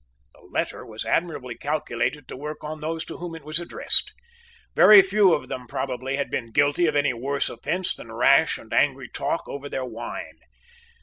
This letter was admirably calculated to work on those to whom it was addressed. Very few of them probably had been guilty of any worse offence than rash and angry talk over their wine.